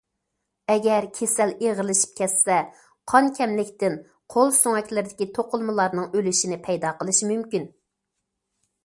ئەگەر كېسەل ئېغىرلىشىپ كەتسە، قان كەملىكتىن قول سۆڭەكلىرىدىكى توقۇلمىلارنىڭ ئۆلۈشىنى پەيدا قىلىشى مۇمكىن.